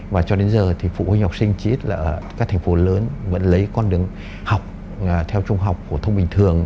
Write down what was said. và cho đến giờ thì phụ huynh học sinh chỉ ít là ở các thành phố lớn vẫn lấy con đường học theo trung học phổ thông bình thường